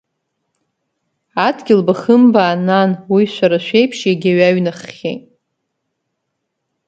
Адгьыл бахымбаан, нан, уи шәара шәеиԥш иагьаҩ аҩнаххьеит…